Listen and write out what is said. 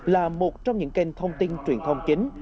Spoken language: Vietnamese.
là một trong những kênh thông tin truyền thông chính